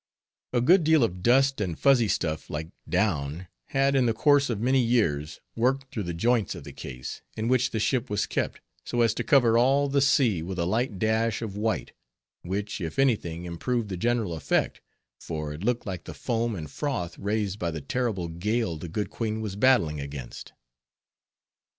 A good deal of dust, and fuzzy stuff like down, had in the course of many years worked through the joints of the case, in which the ship was kept, so as to cover all the sea with a light dash of white, which if any thing improved the general effect, for it looked like the foam and froth raised by the terrible gale the good Queen was battling against.